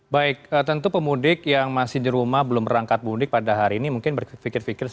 baik tentu pemudik yang masih di rumah belum berangkat mudik pada hari ini mungkin berpikir pikir